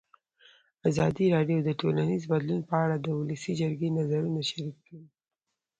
ازادي راډیو د ټولنیز بدلون په اړه د ولسي جرګې نظرونه شریک کړي.